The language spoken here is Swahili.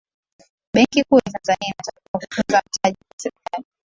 benki kuu ya tanzani inatakiwa kutunza mtaji wa serikali